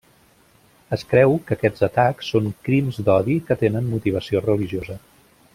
Es creu que aquests atacs són crims d'odi que tenen motivació religiosa.